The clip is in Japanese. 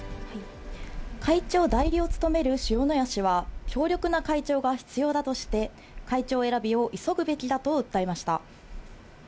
会長代理を務める塩谷氏は、強力な会長が必要だとして、会長選びを急ぐべきだと訴えました。